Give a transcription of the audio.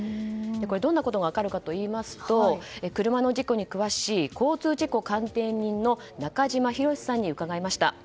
どんなことが分かるかといいますと車の事故に詳しい交通事故鑑定士の中島博史さんに伺いました。